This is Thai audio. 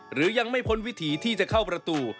หรือยังไม่พ้นวิถีที่จะเข้าประตู